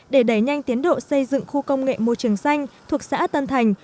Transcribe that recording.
để đẩy nhanh tiến độ xây dựng khu công nghệ môi trường xanh thuộc xã tân thành